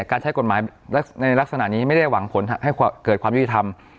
การใช้กฎหมายในลักษณะนี้ไม่ได้หวังผลให้เกิดความยุติธรรม